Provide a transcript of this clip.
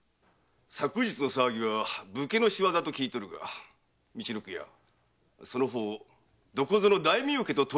昨日の騒ぎは武家の仕業と聞いておるが陸奥屋その方どこぞの大名家と取り引きはないか？